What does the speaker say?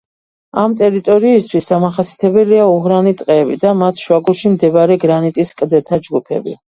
ამ ტერიტორიისთვის დამახასიათებელია უღრანი ტყეები და მათ შუაგულში მდებარე გრანიტის კლდეთა ჯგუფები.